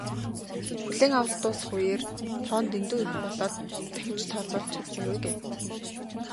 "Хүлээн авалт дуусах үеэр тоо нь дэндүү их болоод дахиж тооцоолж ч чадсангүй" гэв.